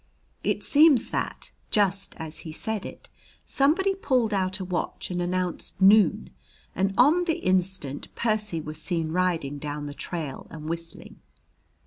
It seems that, just as he said it, somebody pulled out a watch and announced "noon." And on the instant Percy was seen riding down the trail and whistling.